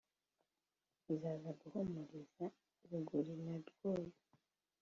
Izaza guhimuriza Buguri na Rwoga*